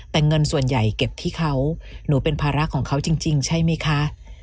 แต่เงินส่วนใหญ่เก็บที่เขาหนูเป็นภาระของเขาจริงใช่ไหมคะ